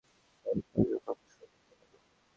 তোমার কার্যকর্ম শুরু করতে পারো।